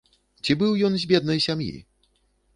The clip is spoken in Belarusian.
Ці быў ён з беднай сям'і?